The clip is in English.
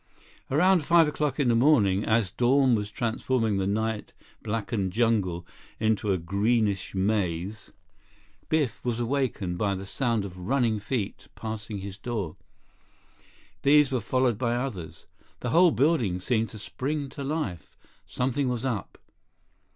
Around five o'clock in the morning, as dawn was transforming the night blackened jungle into a greenish maze, Biff was awakened by the sound of running feet passing his door. These were followed by others. The whole building seemed to spring to life. Something was up.